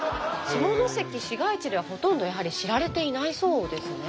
下関市街地ではほとんどやはり知られていないそうですね。